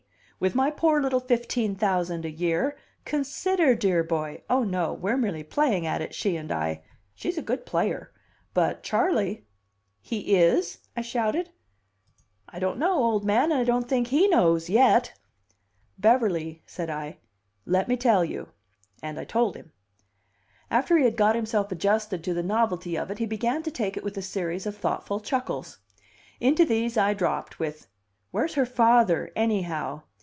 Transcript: With my poor little fifteen thousand a year? Consider, dear boy! Oh, no, we're merely playing at it, she and I. She's a good player. But Charley " "He is?" I shouted. "I don't know, old man, and I don't think he knows yet." "Beverly," said I, "let me tell you." And I told him. After he had got himself adjusted to the novelty of it he began to take it with a series of thoughtful chuckles. Into these I dropped with: "Where's her father, anyhow?"